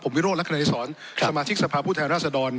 ผมวิโรคลักษณฐศรสมาชิกสภาผู้แทนราษฎร